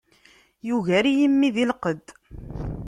Yugar-iyi mmi di lqedd.